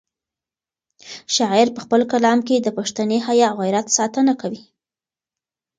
شاعر په خپل کلام کې د پښتني حیا او غیرت ساتنه کوي.